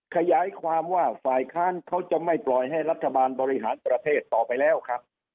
ขยายความว่าฝ่ายค้านเขาจะไม่ปล่อยให้รัฐบาลบริหารประเทศต่อไปแล้วครับ